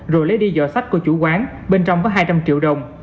rồi lấy đi dỏ sách của chủ quán bên trong có hai trăm linh triệu đồng